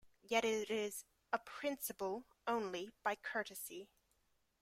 Yet it is a principle only by courtesy.